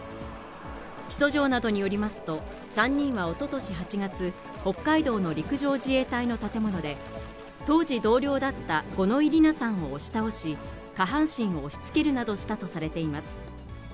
起訴状などによりますと、３人はおととし８月、北海道の陸上自衛隊の建物で、当時同僚だった五ノ井里奈さんを押し倒し、下半身を押しつけるなどしたとされています。